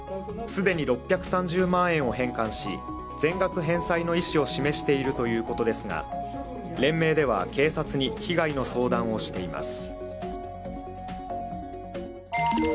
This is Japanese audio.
既に６３０万円を返還し、全額返済の意思を示しているということですが連盟では警察に被害の相談をしています。